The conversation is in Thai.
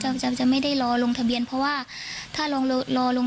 เจ้าจะไม่ได้รอลงทะเบียนเพราะว่าถ้าลองรอลง